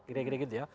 kira kira gitu ya